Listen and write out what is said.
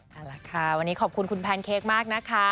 วันนี้ขอบคุณคุณแพนเค้กมากนะคะ